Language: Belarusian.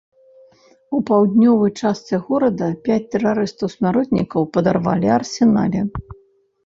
У паўднёвай частцы горада пяць тэрарыстаў-смяротнікаў падарвалі арсенале.